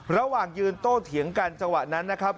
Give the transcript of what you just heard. ระหว่างยืนโต้เถียงกันจังหวะนั้นนะครับ